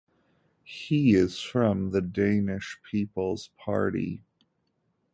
He is from the Danish People's Party.